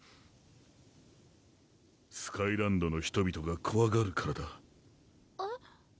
スカイランドの人々がこわがるからだえっ？